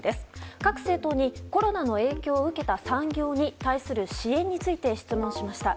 各政党にコロナの影響を受けた産業に対する支援について質問しました。